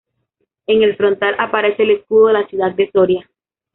En el frontal aparece el escudo de la Ciudad de Soria.